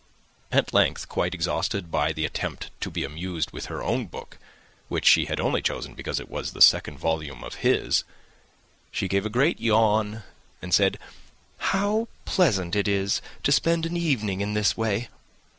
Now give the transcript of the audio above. At length, quite exhausted by the attempt to be amused with her own book, which she had only chosen because it was the second volume of his, she gave a great yawn and said, "How pleasant it is to spend an evening in this way!